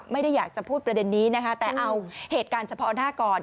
ไม่ได้อยากจะพูดประเด็นนี้นะคะแต่เอาเหตุการณ์เฉพาะหน้าก่อน